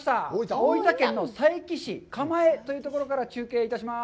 大分県の佐伯市蒲江というところから中継いたします。